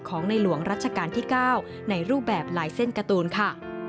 ในหลวงรัชกาลที่๙ในรูปแบบลายเส้นการ์ตูนค่ะ